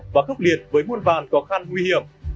và khốc liệt với muôn vàn khó khăn nguy hiểm